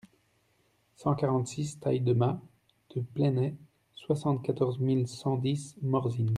cent quarante-six taille de Mas du Pleney, soixante-quatorze mille cent dix Morzine